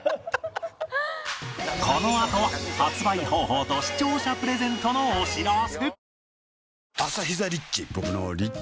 このあと発売方法と視聴者プレゼントのお知らせ